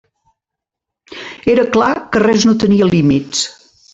Era clar que res no tenia límits.